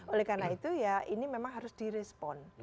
oleh karena itu ya ini memang harus di respon